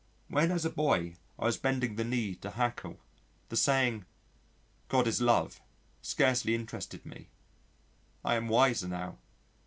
When as a boy I was bending the knee to Haeckel, the saying, "God is Love," scarcely interested me. I am wiser now.